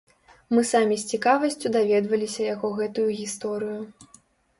Мы самі з цікавасцю даведваліся яго гэтую гісторыю.